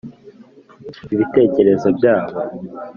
ibitekerezo byabo